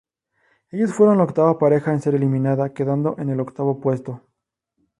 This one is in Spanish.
Ellos fueron la octava pareja en ser eliminada, quedando en el octavo puesto.